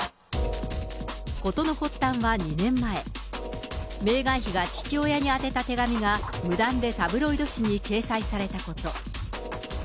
事の発端は２年前、メーガン妃が父親に宛てた手紙が、無断でタブロイド紙に掲載されたこと。